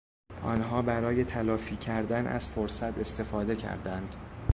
آنها برای تلافی کردن از فرصت استفاده کردند.